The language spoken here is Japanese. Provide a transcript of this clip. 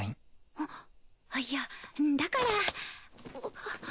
あっいやだから。